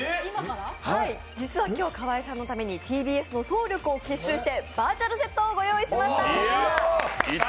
実は今日、河井さんのためにＴＢＳの総力を結集してバーチャルセットをご用意しました。